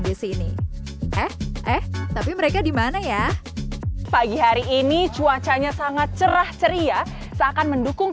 di sini eh eh tapi mereka dimana ya pagi hari ini cuacanya sangat cerah ceria seakan mendukung